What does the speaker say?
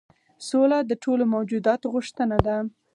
سوله د ټولو موجوداتو غوښتنه ده.